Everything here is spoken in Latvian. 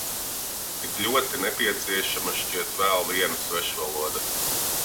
Tik ļoti nepieciešama šķiet vēl viena svešvaloda.